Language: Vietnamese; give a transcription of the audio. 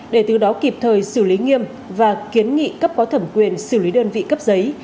để từ đó kịp thời xử lý nghiêm và kiến nghị cấp có thẩm quyền xử lý đơn vị cấp giấy